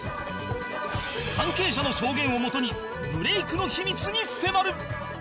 関係者の証言をもとにブレイクの秘密に迫る！